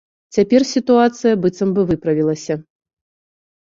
Цяпер сітуацыя быццам бы выправілася.